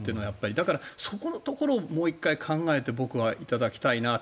だから、そこのところをもう１回僕は考えていただきたいなと。